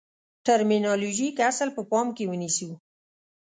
ټرمینالوژیک اصل په پام کې ونیسو.